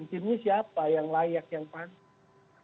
timnya siapa yang layak yang panas